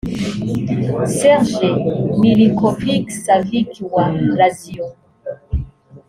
Sergej Milinkovic-Savic wa Lazio